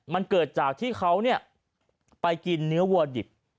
มันเกิดจากที่เขาไปกินเนื้อวัวดิบ